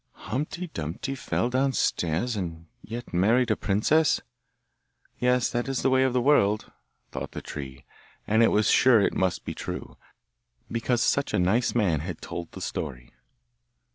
'Humpty Dumpty fell downstairs and yet married a princess! yes, that is the way of the world!' thought the tree, and was sure it must be true, because such a nice man had told the story.